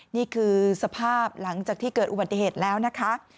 นี่คือสภาพหลังจากที่เกิดอุบัติเหตุแล้วนะคะ